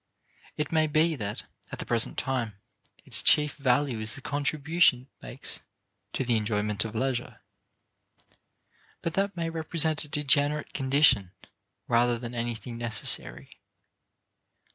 It may be that, at the present time, its chief value is the contribution it makes to the enjoyment of leisure. But that may represent a degenerate condition rather than anything necessary.